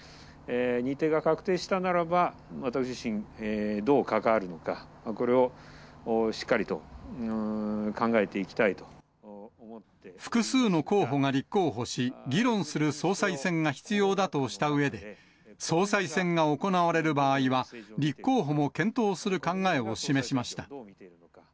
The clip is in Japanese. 日程が確定したならば、私自身、どう関わるのか、これをしっかり複数の候補が立候補し、議論する総裁選が必要だとしたうえで、総裁選が行われる場合は、立候補も検討する考えを示しました。